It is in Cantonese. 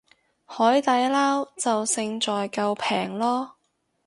海底撈就勝在夠平囉